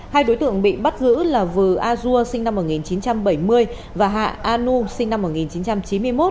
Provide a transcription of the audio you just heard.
hai đối tượng bị bắt giữ là vừa a dua sinh năm một nghìn chín trăm bảy mươi và hạ a nu sinh năm một nghìn chín trăm chín mươi một